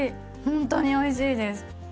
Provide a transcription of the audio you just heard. ほんとにおいしいです。